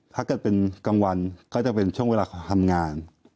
ถ้าเกิดเป็นกลางวันก็จะเป็นช่วงเวลาของทำงาน